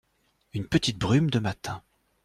Une petite brume de matin.